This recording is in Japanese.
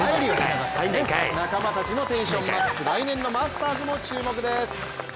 仲間たちもテンションマックス、来年のマスターズも注目です。